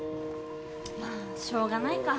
まあしょうがないか。